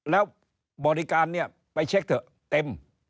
แล้วบริการเนี่ยไปเช็คเถอะเต็ม